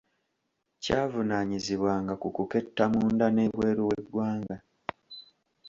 Kyavunaanyizibwanga ku kuketta munda n’ebweru w’eggwanga.